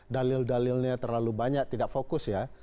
dalil dalilnya terlalu banyak tidak fokus ya